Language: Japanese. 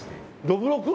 どぶろく？